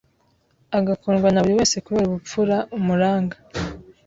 agakundwa na buri wese kubera ubupfura umuranga